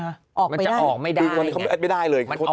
มันออกมาไม่ได้